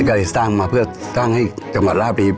ก็เลยสร้างมาเพื่อตั้งให้จังหวัดลาบดี